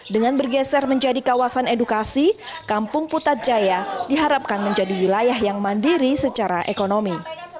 dengan bergeser menjadi kawasan edukasi kampung putat jaya diharapkan menjadi wilayah yang mandiri secara ekonomi